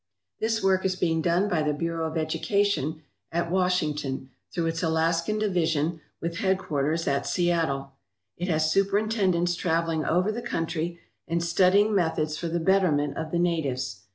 This work is being done by the Bureau of Education at Washington through its Alaskan Division with head 222 SCHOOL REPUBLICS OF THE ARCTIC! quarters at Seattle. It has superintendents travelling over the country and studying methods for the betterment of the natives.